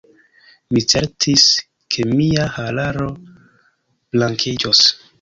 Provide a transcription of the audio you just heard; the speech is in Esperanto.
Mi certis ke mia hararo blankiĝos.